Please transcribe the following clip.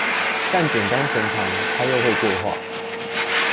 但簡單閒談，他又會對話